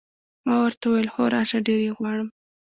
ما ورته وویل: هو، راشه، ډېر یې غواړم.